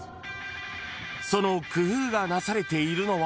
［その工夫がなされているのは］